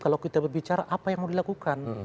kalau kita berbicara apa yang mau dilakukan